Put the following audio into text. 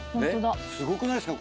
すごくないっすか？